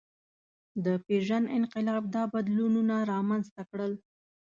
د پېژند انقلاب دا بدلونونه رامنځ ته کړل.